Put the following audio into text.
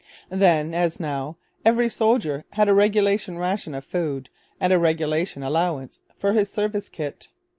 Then, as now, every soldier had a regulation ration of food and a regulation allowance for his service kit.